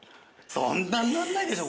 そんなにならないでしょ？